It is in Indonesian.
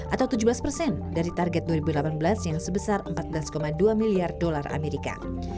atau tujuh belas persen dari target dua ribu delapan belas yang sebesar empat belas dua miliar dolar amerika